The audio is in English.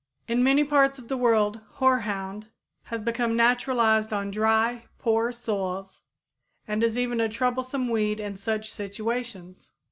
In many parts of the world hoarhound has become naturalized on dry, poor soils, and is even a troublesome weed in such situations.